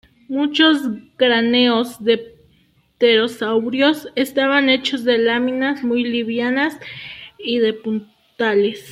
Muchos cráneos de pterosaurios estaban hechos de láminas muy livianas y de puntales.